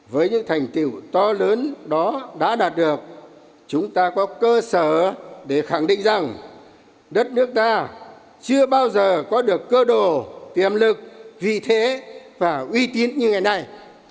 với những thành tiệu to lớn đó đã đạt được chúng ta có cơ sở để khẳng định rằng đất nước ta chưa bao giờ có được cơ đồ tiềm lực vị thế và uy tín như ngày nay